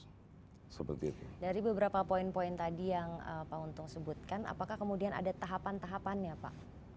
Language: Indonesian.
dari beberapa poin poin tadi yang pak untung sebutkan apakah kemudian ada tahapan tahapannya pak